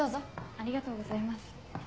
ありがとうございます。